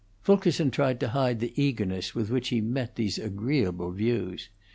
Fulkerson tried to hide the eagerness with which he met these agreeable views.